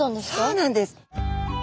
そうなんです。